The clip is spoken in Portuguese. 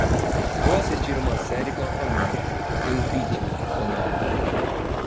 Vou assistir uma série com a família. Impeachment, o nome.